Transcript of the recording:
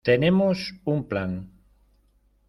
tenemos un plan.